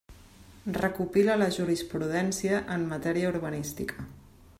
Recopila la jurisprudència en matèria urbanística.